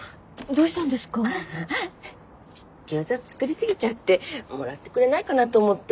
餃子作り過ぎちゃってもらってくれないかなと思って。